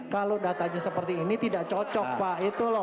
kalau datanya seperti ini tidak cocok pak itu loh